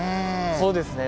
そうですね